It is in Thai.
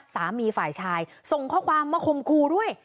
ฝ่ายชายส่งข้อความมาคมครูด้วย